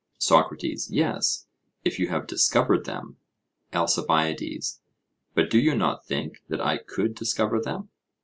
SOCRATES: Yes; if you have discovered them. ALCIBIADES: But do you not think that I could discover them?